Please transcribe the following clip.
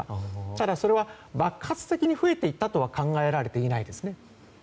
ただ、それは爆発的に増えていったとは考えられていないですね。